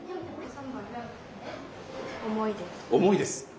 重いです。